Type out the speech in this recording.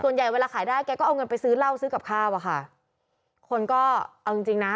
ใหญ่เวลาขายได้แกก็เอาเงินไปซื้อเหล้าซื้อกับข้าวอะค่ะคนก็เอาจริงจริงนะ